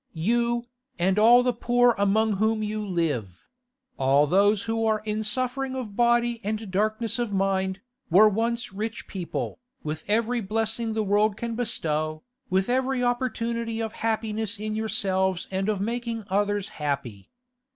You, and all the poor among whom you live; all those who are in suffering of body and darkness of mind, were once rich people, with every blessing the world can bestow, with every opportunity of happiness in yourselves and of making others happy.